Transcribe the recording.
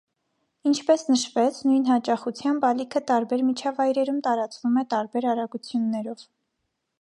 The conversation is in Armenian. Ինչպես նշվեց, նույն հաճախությամբ ալիքը տարբեր միջավայրերում տարածվում է տարբեր արագություններով։